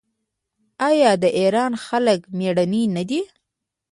آیا د ایران خلک میړني نه دي؟